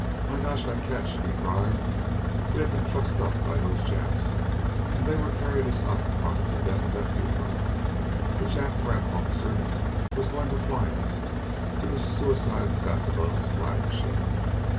"My gosh, I catch!" he cried. "We had been trussed up by those Japs, and they were carrying us up onto the deck of that U boat! That Jap rat officer was going to fly us to the Suicide Sasebo's flagship.